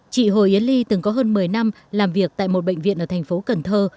chị hồ yến ly từng có hơn một mươi năm làm việc tại một bệnh viện ở thành phố cần thơ